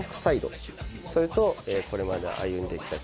それとそれとこれまで歩んでき